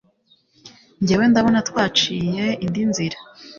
ngewe ndabona twaciye indi nzira